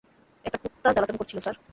একটা কুত্তা জালাতন করছিলো, স্যার!